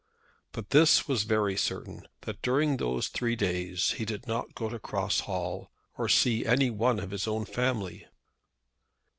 But this was very certain, that during those three days he did not go to Cross Hall, or see any one of his own family.